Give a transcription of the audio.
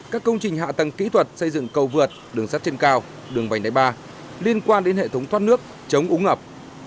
các công trình hạ tầng kỹ thuật xây dựng cầu vượt đường sắt trên cao đường vành đai ba liên quan đến hệ thống thoát nước chống úng ngập